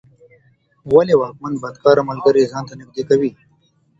ولي واکمن بدکاره ملګري ځان ته نږدې کوي؟